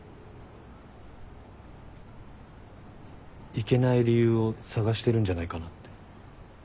行けない理由を探してるんじゃないかなって。